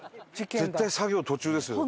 絶対作業途中ですよ。